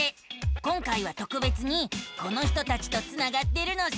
今回はとくべつにこの人たちとつながってるのさ。